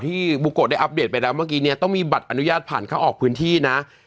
บุโกะได้อัปเดตไปแล้วเมื่อกี้เนี่ยต้องมีบัตรอนุญาตผ่านเข้าออกพื้นที่นะ